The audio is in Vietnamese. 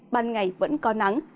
ban ngày vẫn có nắng